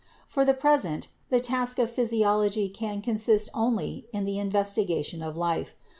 For the present the task of physiology can consist only in the in vestigation of life.